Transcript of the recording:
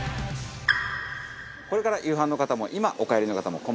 これから夕飯の方も今お帰りの方もこんばんは。